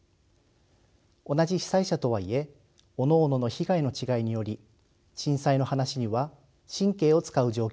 同じ被災者とはいえおのおのの被害の違いにより震災の話には神経を遣う状況でした。